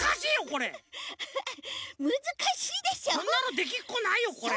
こんなのできっこないよこれ。